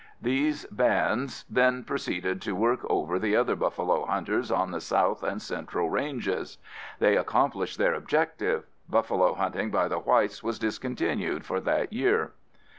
These bands then proceeded to work over the other buffalo hunters on the south and central ranges. They accomplished their objective. Buffalo hunting by the whites was discontinued for that year.